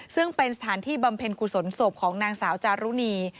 ซึ่งเป็นสถานที่บำเพ็ญกุศลศพของนางสาวจารุณี